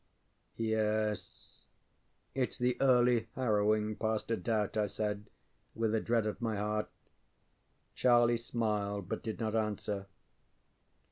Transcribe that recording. ŌĆØ ŌĆ£Yes, itŌĆÖs the early harrowing, past a doubt, ŌĆØ I said, with a dread at my heart. Charlie smiled, but did not answer.